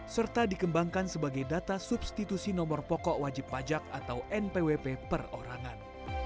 serta dikembangkan sebagai data substitusi nomor pokok wajib pajak atau npwp perorangan